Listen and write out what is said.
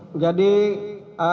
sudah bisa tenang ya